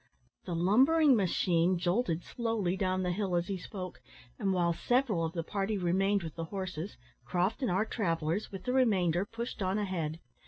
The lumbering machine jolted slowly down the hill as he spoke, and while several of the party remained with the horses, Croft and our travellers, with the remainder, pushed on ahead.